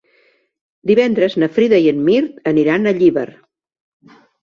Divendres na Frida i en Mirt aniran a Llíber.